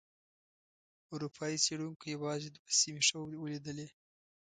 اروپایي څېړونکو یوازې دوه سیمې ښه ولیدلې.